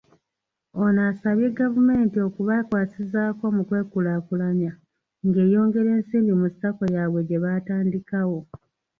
Ono asabye gavumenti okubakwasizaako mu kwekulaakulanya ng'eyongera ensimbi mu Sacco yaabwe gye baatandikawo.